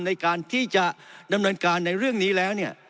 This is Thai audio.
ในการที่จะดำเนินการในเรื่องนี้แล้วเนี่ย